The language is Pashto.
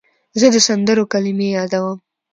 زه د سندرو کلمې یادوم.